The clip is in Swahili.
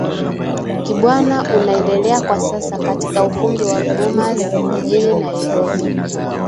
Kibwana unaendelea kwa sasa katika Ukumbi wa Bomas Jijini Nairobi